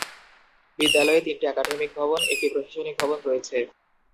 বিদ্যালয়ে তিনটি একাডেমিক ভবন, একটি প্রশাসনিক ভবন রয়েছে।